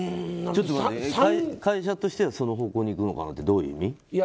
会社としてはその方向に行くのかなってどういう意味？